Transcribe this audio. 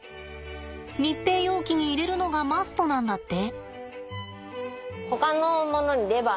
密閉容器に入れるのがマストなんだって。